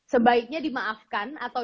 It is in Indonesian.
sebaiknya dimaafkan atau